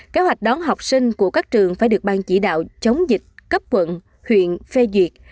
kế hoạch đón học sinh của các trường phải được ban chỉ đạo chống dịch cấp quận huyện phê duyệt